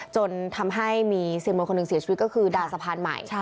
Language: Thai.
จนทำให้มีสื่อมวลชนหนึ่งเสียชีวิตก็คือดาวสะพานใหม่